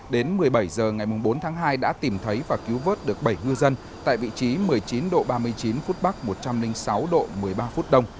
đến một mươi bảy h ngày bốn tháng hai đã tìm thấy và cứu vớt được bảy ngư dân tại vị trí một mươi chín độ ba mươi chín phút bắc một trăm linh sáu độ một mươi ba phút đông